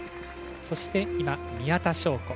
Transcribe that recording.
そして、宮田笙子。